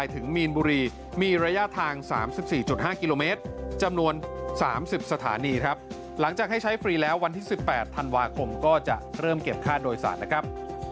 ทราบ๑๘ธันวาคมก็จะเก็บค่าโดยสารนะครับ